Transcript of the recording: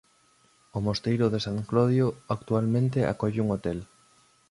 O mosteiro de San Clodio actualmente acolle un hotel.